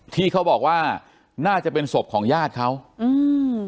ที่เขาบอกว่าน่าจะเป็นศพของญาติเขาอืม